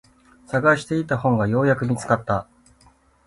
探していた本がようやく見つかった。